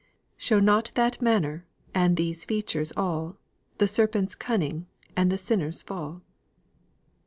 "Show not that manner, and these features all, The serpent's cunning, and the sinner's fall?"